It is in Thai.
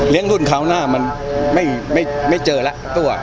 เลี้ยงรุ่นคราวหน้ามันไม่เจอละตัว